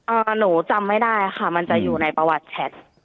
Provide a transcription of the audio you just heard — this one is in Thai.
หนูจำไม่ได้ค่ะมันจะอยู่ในประวัติแชท